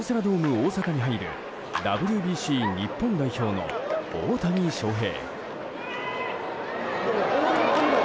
大阪に入るＷＢＣ日本代表の大谷翔平。